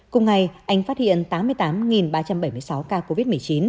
cùng ngày anh phát hiện tám mươi tám ba trăm bảy mươi sáu ca covid một mươi chín